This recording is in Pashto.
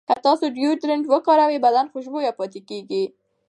که تاسو ډیوډرنټ وکاروئ، بدن خوشبویه پاتې کېږي.